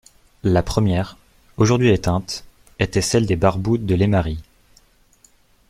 La première, aujourd'hui éteinte, était celle des Barbou de Leymarie.